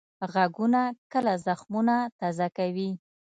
غږونه کله زخمونه تازه کوي